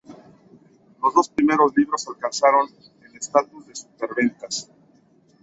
Los dos primeros libros alcanzaron el estatus de superventas.